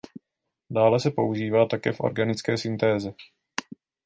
Dále se používá také v organické syntéze.